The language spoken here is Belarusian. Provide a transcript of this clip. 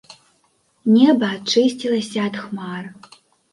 Неба ачысцілася ад хмар.